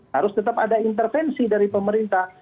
harus tetap ada intervensi dari pemerintah